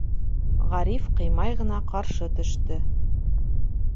Ғариф ҡыймай ғына ҡаршы төштө: